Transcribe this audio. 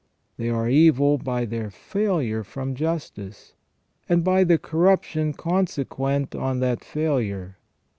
They are evil by their failure from justice, and by the corruption consequent on that failure.